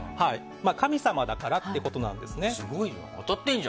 神様だからってことなんですね。